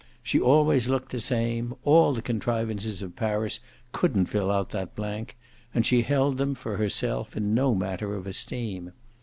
She always looked the same; all the contrivances of Paris couldn't fill out that blank, and she held them, for herself, in no manner of esteem.